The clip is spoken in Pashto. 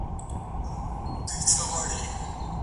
دردونه ژبه نه لري چي خلک وژړوم.!